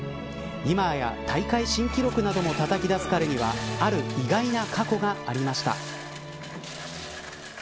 今や、大会新記録などもたたき出す彼にはある意外な過去がありました。